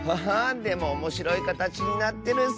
でもおもしろいかたちになってるッス！